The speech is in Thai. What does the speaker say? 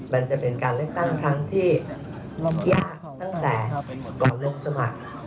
มันจะเป็นการเลือกตั้งครั้งที่ยากตั้งแต่ก่อนลงสมัคร